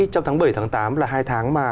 trong tháng bảy tháng tám là hai tháng mà